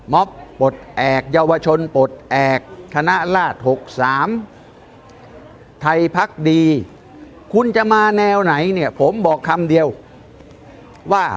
ปลดแอบเยาวชนปลดแอบคณะราช๖๓ไทยพักดีคุณจะมาแนวไหนเนี่ยผมบอกคำเดียวว่า